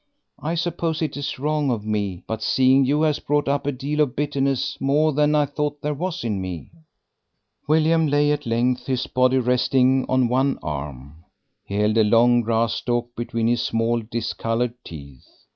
"I suppose it is wrong of me, but seeing you has brought up a deal of bitterness, more than I thought there was in me." William lay at length, his body resting on one arm. He held a long grass stalk between his small, discoloured teeth.